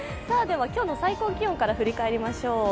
今日の最高気温から振り返りましょう。